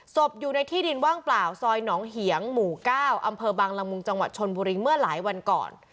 ศพอยู่ในที่ดินว่างเปล่าซอยหนองเหียงหมู่๙อำเภอบังละมุงจังหวัดชนบุรีเมื่อหลายวันก่อน